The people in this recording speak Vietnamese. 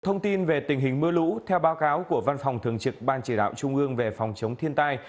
thông tin về tình hình mưa lũ theo báo cáo của văn phòng thường trực ban chỉ đạo trung ương về phòng chống thiên tai